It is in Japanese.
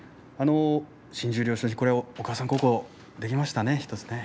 新十両昇進、お母さん孝行できましたね、１つ目。